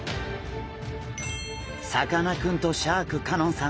さかなクンとシャーク香音さん